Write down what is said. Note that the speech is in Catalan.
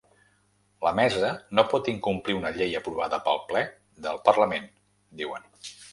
La mesa no pot incomplir una llei aprovada pel ple del parlament, diuen.